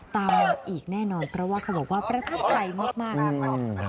ตามอีกแน่นอนเพราะว่าเขาบอกว่าประทับไทยมาก